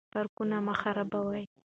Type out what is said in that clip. پارکونه مه خرابوئ.